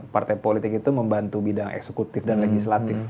partai politik itu membantu bidang eksekutif dan legislatif